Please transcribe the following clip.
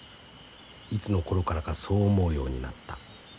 いつの頃からかそう思うようになった。